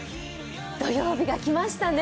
土曜日が来ましたね。